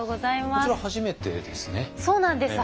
こちら初めてですね？